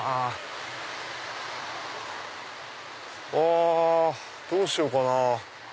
あどうしようかな？